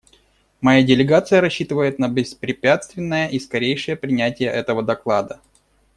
Моя делегация рассчитывает на беспрепятственное и скорейшее принятие этого доклада.